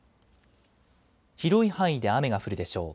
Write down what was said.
広い範囲で雨が降るでしょう。